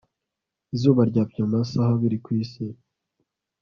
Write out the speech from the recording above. izuba ryapimye amasaha abiri ku isi